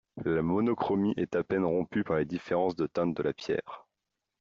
La monochromie est à peine rompue par les différences de teinte de la pierre.